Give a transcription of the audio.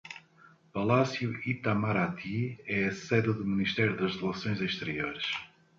Palácio Itamaraty é a sede do Ministério das Relações Exteriores